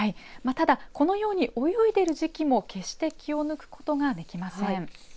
ただこのように泳いでいる時期も決して気を抜くことができません。